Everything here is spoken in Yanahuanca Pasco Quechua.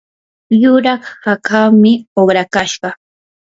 yuraq hakaami uqrakashqa.